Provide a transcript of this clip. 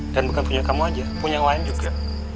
dan bukan punya kamu aja punya yang lain juga